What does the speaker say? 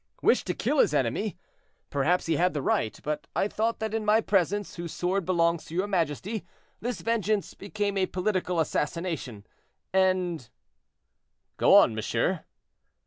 "Wished to kill his enemy; perhaps he had the right, but I thought that in my presence, whose sword belongs to your majesty, this vengeance became a political assassination, and—" "Go on, monsieur."